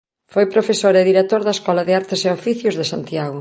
Foi profesor e director da Escola de Artes e Oficios de Santiago.